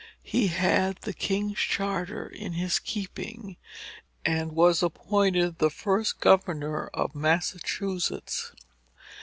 He had the king's charter in his keeping, and was appointed the first Governor of Massachusetts.